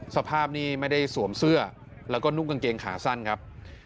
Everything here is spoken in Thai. สภาพนี้ไม่ได้สวมเสื้อแล้วก็นุ่งกางเกงขาสั้นครับ